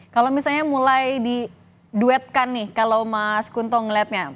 kalau misalnya mulai diduetkan nih kalau mas kunto melihatnya